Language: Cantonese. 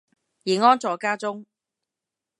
已安坐家中